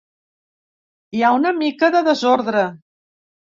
Hi ha una mica de desordre.